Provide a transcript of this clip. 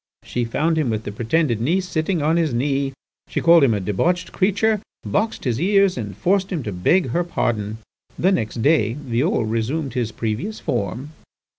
She found him with the pretended niece sitting on his knee. She called him a debauched creature, boxed his ears, and forced him to beg her pardon. The next day Violle resumed his previous form."